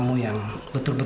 bok dan antar ya